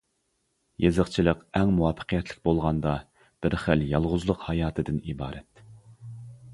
يېزىقچىلىق ئەڭ مۇۋەپپەقىيەتلىك بولغاندا بىر خىل يالغۇزلۇق ھاياتىدىن ئىبارەت.